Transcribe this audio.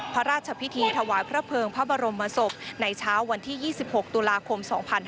พระราชพิธีถวายพระเภิงพระบรมศพในเช้าวันที่๒๖ตุลาคม๒๕๕๙